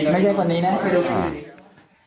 ไม่ใช่คนนี้นะ